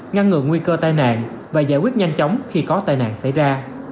ngăn ngừa nguy cơ tai nạn và giải quyết nhanh chóng khi có tai nạn xảy ra